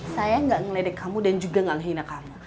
saya enggak ngeledek kamu dan juga enggak menghina kamu